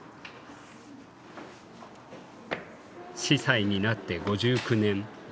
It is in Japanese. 司祭になって５９年。